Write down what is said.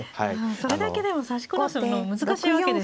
それだけでも指しこなすのも難しいわけですよね。